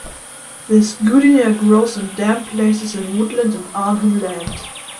This goodenia grows in damp places in woodland in Arnhem Land.